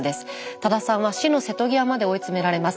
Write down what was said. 多田さんは死の瀬戸際まで追い詰められます。